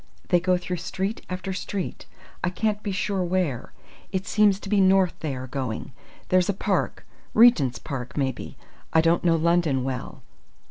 They go through street after street! I can't be sure where. It seems to be north they are going. There's a park Regent's Park, maybe. I don't know London well.